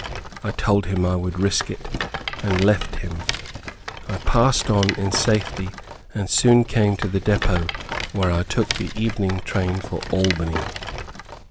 I told him I would risk it, and left him. I passed on in safety, and soon came to the depot, where I took the evening train for Albany.